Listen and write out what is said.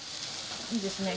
いいですね。